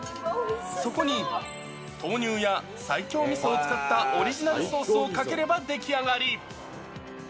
そこに、豆乳や西京みそを使ったオリジナルソースをかければ出来上がり。